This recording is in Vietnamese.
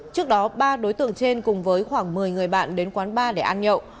trước đó ba đối tượng trên cùng với khoảng một mươi người bạn đến quán bar để ăn nhậu